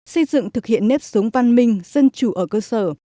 xây dựng thực hiện nếp sống văn minh dân chủ ở cơ sở